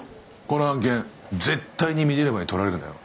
この案件絶対にミネルヴァに取られるなよ。